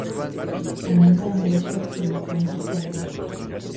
Anida en huecos de troncos caídos.